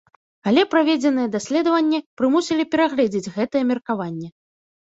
Але праведзеныя даследаванні прымусілі перагледзець гэтае меркаванне.